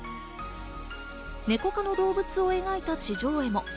ネコ科の動物を描いた地上絵も。